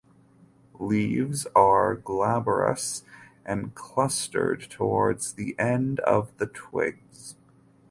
Leaves are glabrous and clustered towards the end of the twigs.